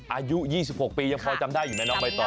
อายุ๒๖ปียังพอจำได้อยู่ไหมน้องใบตอ